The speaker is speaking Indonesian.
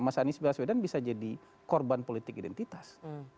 mas anies baswedan bisa jadi korban politik identitas